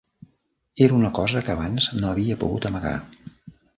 Era una cosa que abans no havia pogut amagar.